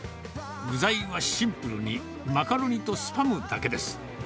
具材はシンプルに、マカロニとスパムだけです。